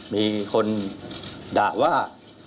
มีคนด่าว่า